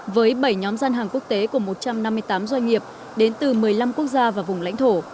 với bảy nhóm gian hàng quốc tế của một trăm năm mươi tám doanh nghiệp đến từ một mươi năm quốc gia và vùng lãnh thổ